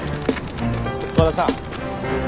和田さん。